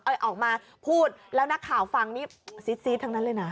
ออกมาพูดแล้วนักข่าวฟังนี่ซีดทั้งนั้นเลยนะ